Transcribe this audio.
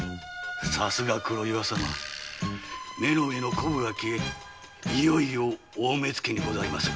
さすが黒岩様目の上のコブが消えいよいよ大目付でございますな。